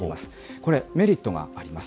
これ、メリットがあります。